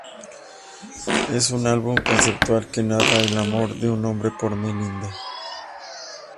Es un álbum conceptual que narra el amor de un hombre por "Melinda".